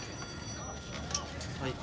はい。